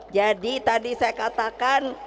jadi tadi saya katakan